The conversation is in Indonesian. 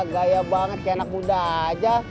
gaya banget kayak anak muda aja